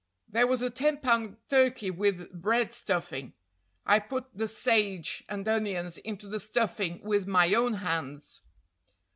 There was a ten pound turkey, with bread stuffing. I put the sage and onions into the stuffing with my own hands."